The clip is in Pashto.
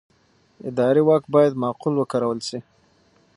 اداري واک باید معقول وکارول شي.